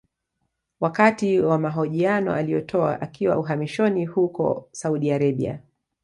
Wakati wa mahojiano aliyotoa akiwa uhamishoni huko Saudi Arabia